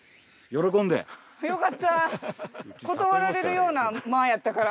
断られるような間やったから。